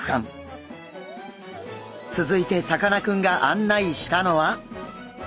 続いてさかなクンが案内したのは。